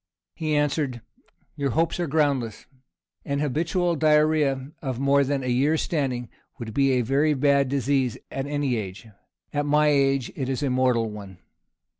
He answered, "Your hopes are groundless. An habitual diarrhoea of more than a year's standing, would be a very bad disease at any age; at my age it is a mortal one.